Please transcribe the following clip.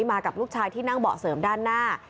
มากับลูกชายที่นั่งเบาะเสริมด้านหน้า